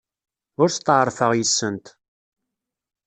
Ur steɛṛfeɣ yes-sent.